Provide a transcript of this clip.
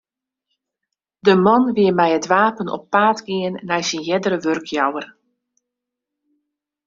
De man wie mei it wapen op paad gien nei syn eardere wurkjouwer.